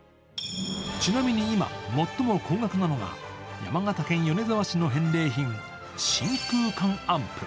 ちなみに今最も高額なのが山形県米沢市の返礼品、真空管アンプ。